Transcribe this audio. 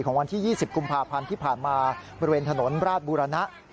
วันที่๒๐กุมภาพันธ์ที่ผ่านมาบริเวณถนนราชบุรณะ